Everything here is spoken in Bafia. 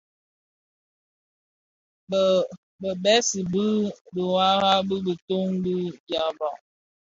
Bë bëgsi mis bi biwara bi titōň ti dyaba.